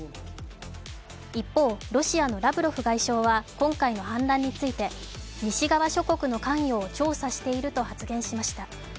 一方、ロシアのラブロフ外相は今回の反乱について西側諸国の関与を調査していると発言しました。